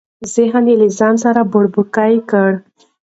ذهن یې له ځانه سره بوړبوکۍ کړ.